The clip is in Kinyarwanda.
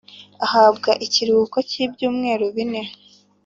ahabwa ikiruhuko cy ibyumweru bine